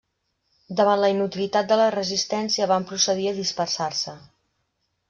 Davant la inutilitat de la resistència van procedir a dispersar-se.